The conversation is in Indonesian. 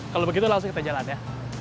kalau begitu langsung kita jalan ya